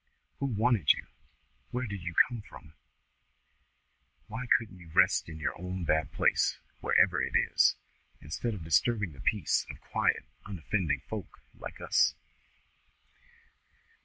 "Who wanted you? Where did you come from? Why couldn't you rest in your own bad place, wherever it is, instead of disturbing the peace of quiet unoffending folk like us?"